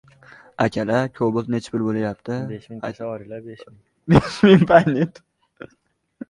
hatto o‘ziga nisbatan ham hamisha adolatli bo‘lish;